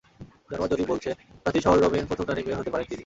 জনমত জরিপ বলছে, প্রাচীন শহর রোমের প্রথম নারী মেয়র হতে পারেন তিনি।